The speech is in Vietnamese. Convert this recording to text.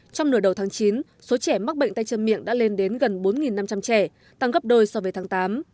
trong nửa đầu tháng chín số trẻ mắc bệnh tay chân miệng đã lên đến gần bốn năm trăm linh trẻ tăng gấp đôi so với tháng tám